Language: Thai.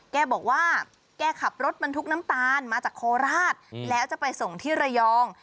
แกบอกว่าแกขับรถบรรทุกน้ำตาลมาจากโคราชแล้วจะไปส่งที่ระยอง